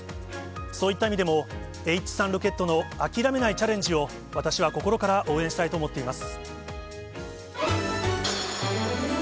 そういった意味でも、Ｈ３ロケットの諦めないチャレンジを、私は心から応援したいと思っています。